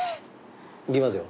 いきますよ。